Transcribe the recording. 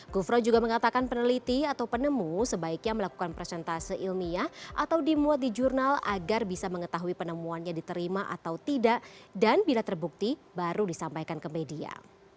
gufron juga mengatakan peneliti atau penemu sebaiknya melakukan presentase ilmiah atau dimuat di jurnal agar bisa mengetahui penemuannya diterima atau tidak dan bila terbukti baru disampaikan ke media